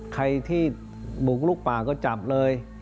ใครที่ปลูกลูกปาก็จับเลย